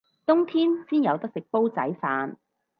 冬天先有得食煲仔飯